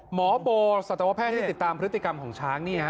หมอโบรย์สศวรษฐานที่ติดตามพฤติกรรมของช้างนี่เนี่ย